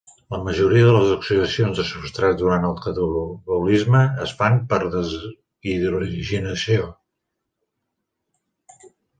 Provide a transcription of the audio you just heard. La majoria de les oxidacions de substrats durant el catabolisme es fan per deshidrogenació.